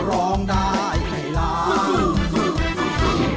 ร้องได้ให้ล้าน